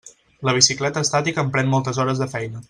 La bicicleta estàtica em pren moltes hores de feina.